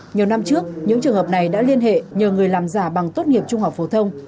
nhiều năm trước những trường hợp này đã liên hệ nhờ người làm giả bằng tốt nghiệp trung học phổ thông